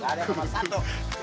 gak ada sama satu